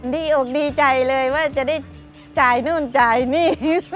อกดีใจเลยว่าจะได้จ่ายนู่นจ่ายนี่